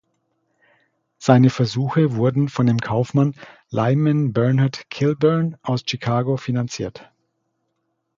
Seine Versuche wurden von dem Kaufmann Lyman Bernard Kilbourne aus Chicago finanziert.